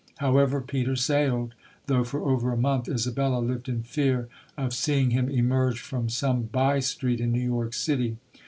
However, Peter sailed ; though for over a month Isabella lived in fear of seeing him emerge from some by street in New York City.